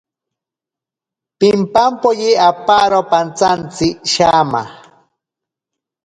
Pimpampoye aparo pantsantsi shama.